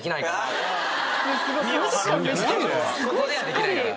ここではできないから！